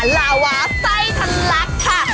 หลาวะไส้ทัลลักษณ์ค่ะ